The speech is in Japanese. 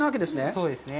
そうですね。